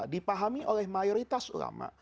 dipahami oleh mayoritas ulama